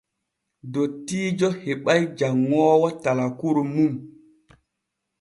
Dottiijo heɓay janŋoowo talkuru mum.